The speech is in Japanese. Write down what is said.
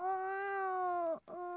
うん。